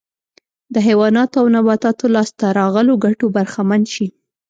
د حیواناتو او نباتاتو لاسته راغلو ګټو برخمن شي